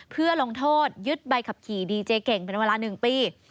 เพื่อลงโทษยึดใบขับขี่ดีเจเก่งเป็นเวลา๑ปี